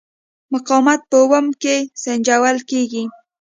مقاومت په اوم کې سنجول کېږي.